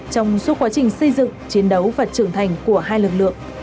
trong suốt quá trình xây dựng chiến đấu và trưởng thành của hai lực lượng